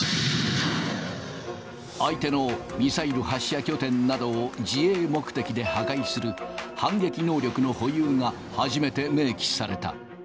相手のミサイル発射拠点などを自衛目的で破壊する反撃能力の保有が初めて明記された。